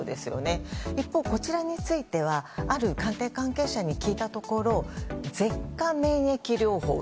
一方、こちらについてはある官邸関係者に聞いたところ舌下免疫療法。